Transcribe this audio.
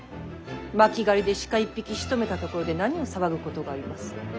巻狩りで鹿一匹しとめたところで何を騒ぐことがあります。